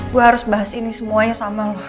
gue harus bahas ini semuanya sama lo